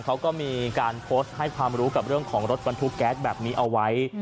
เขาก็มีการโพสต์ให้ความรู้กับเรื่องของรถบรรทุกแก๊สแบบนี้เอาไว้